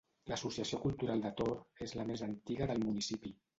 L’Associació Cultural de Tor és la més antiga del municipi.